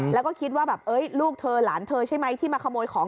แล้วก็คิดว่าแบบลูกเธอหลานเธอใช่ไหมที่มาขโมยของ